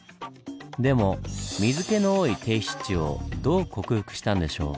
でも水けの多い低湿地をどう克服したんでしょう？